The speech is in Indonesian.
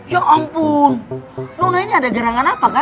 ya ampun nona ini ada gerangan apa kah